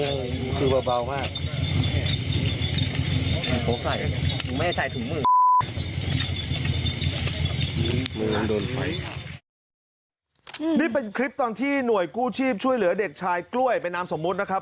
นี่เป็นคลิปตอนที่หน่วยกู้ชีพช่วยเหลือเด็กชายกล้วยเป็นนามสมมุตินะครับ